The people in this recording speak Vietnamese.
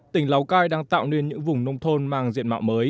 tỉnh lào cai đang tạo nên những vùng nông thôn mang diện mạo mới